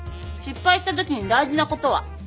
失敗したときに大事なことは？